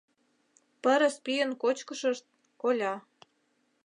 Пырыс-пийын кочкышышт — коля...